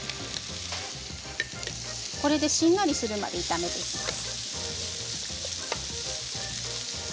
これで、しんなりするまで炒めます。